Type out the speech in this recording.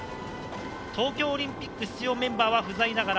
東京オリンピック出場メンバーは不在ながら